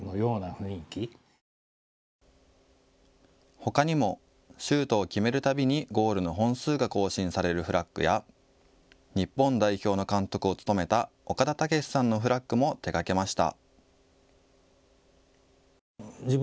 ほかにもシュートを決めるたびにゴールの本数が更新されるフラッグや日本代表の監督を務めた岡田武史さんのフラッグも手がけました。